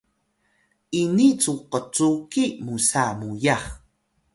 ini cu qcuqi musa muyax